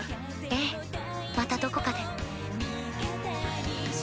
ええまたどこかで。